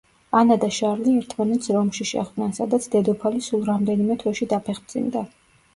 ანა და შარლი ერთმანეთს რომში შეხვდნენ, სადაც დედოფალი სულ რამდენიმე თვეში დაფეხმძიმდა.